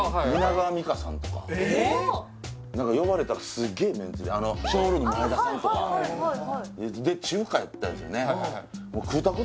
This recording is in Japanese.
蜷川実花さんとか何か呼ばれたらすげえメンツでＳＨＯＷＲＯＯＭの前田さんとかで中華やったんですよね